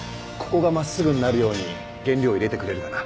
ここが真っすぐになるように原料を入れてくれるかな